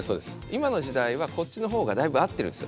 今の時代はこっちの方がだいぶ合ってるんですよ。